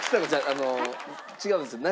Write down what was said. あの違うんですよ。